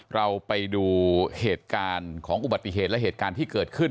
เราไปดูเหตุการณ์ของอุบัติเหตุและเหตุการณ์ที่เกิดขึ้น